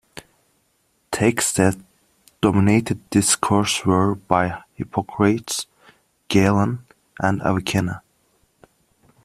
Texts that dominated this course were by Hippocrates, Galen, and Avicenna.